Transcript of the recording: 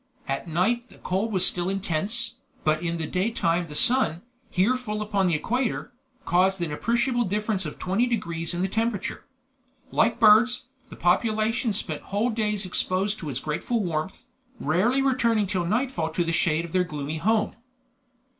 At night the cold was still intense, but in the daytime the sun, here full upon the equator, caused an appreciable difference of 20 degrees in the temperature. Like birds, the population spent whole days exposed to its grateful warmth, rarely returning till nightfall to the shade of their gloomy home.